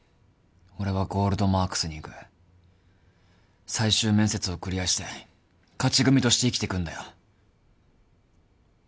俺はゴールドマークスに行く最終面接をクリアして勝ち組として生きてくんだよ